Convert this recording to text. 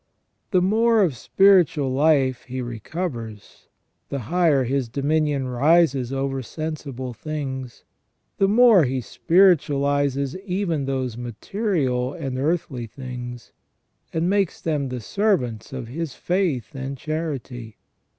The more of spiritual life he recovers, the higher his dominion rises over sen sible things, the more he spiritualises even those material and earthly things, and makes them the servants of his faith and charity.